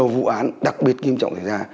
vụ án đặc biệt nghiêm trọng xảy ra